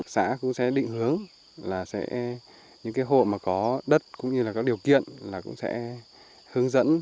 xã cũng sẽ định hướng là những cái hộ mà có đất cũng như là có điều kiện là cũng sẽ hướng dẫn